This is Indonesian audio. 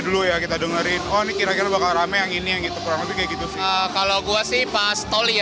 dulu ya kita dengerin oh ini kira kira bakal rame yang ini yang itu kalau gue sih pas toli